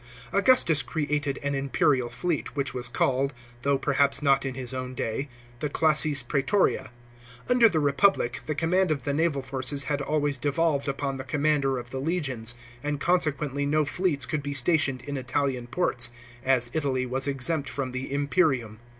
* Augustus created an imperial fleet, which was called, though perhaps not in his own day, the classis prgetoria. Under the Republic the command of the naval forces had always devolved upon the commander of the legions, and consequently no fleets could be stationed in Italian ports, as Italy was exempt from the imperium.